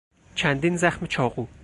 چندین زخم چاقو